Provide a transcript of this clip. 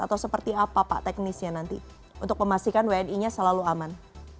atau seperti apa pak teknisnya nanti untuk memastikan wni nya selalu aman